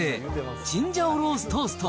チンジャオローストースト。